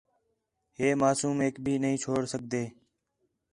ہے معصومیک بھی نہیں چھوڑ سڳدا